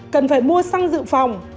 cần phải mua xăng dự phòng